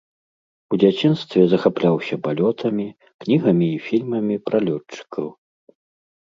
У дзяцінстве захапляўся палётамі, кнігамі і фільмамі пра лётчыкаў.